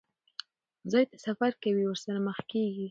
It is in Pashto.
ځای ته سفر کوي، ورسره مخ کېږي.